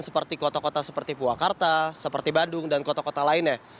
seperti kota kota seperti purwakarta seperti bandung dan kota kota lainnya